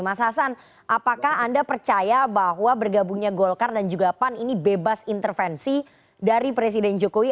mas hasan apakah anda percaya bahwa bergabungnya golkar dan juga pan ini bebas intervensi dari presiden jokowi